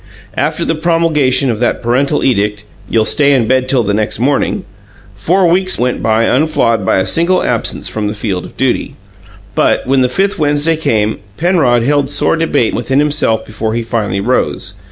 After the promulgation of that parental edict, "You'll stay in bed till the next morning", four weeks went by unflawed by a single absence from the field of duty; but, when the fifth Wednesday came, Penrod held sore debate within himself before he finally rose.